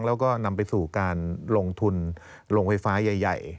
แล้วก็นำไปสู่การลงทุนโรงไฟฟ้าใหญ่